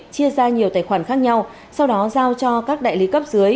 chia ra nhiều tài khoản khác nhau sau đó giao cho các đại lý cấp dưới